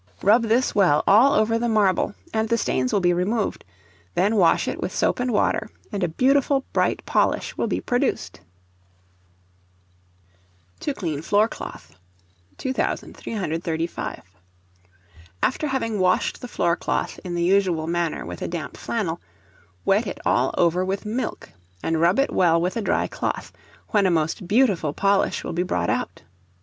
Rub this well all over the marble, and the stains will be removed; then wash it with soap and water, and a beautiful bright polish will be produced. To clean Floorcloth. 2335. After having washed the floorcloth in the usual manner with a damp flannel, wet it all over with milk and rub it well with a dry cloth, when a most beautiful polish will be brought out.